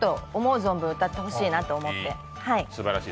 存分歌ってほしいなと思って。